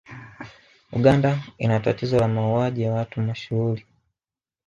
Uganda ina tatizo la mauwaji ya watu mashuhuri